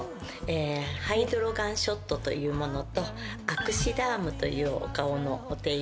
ハイドロガンショットというものとアクシダームというお顔のお手入れと。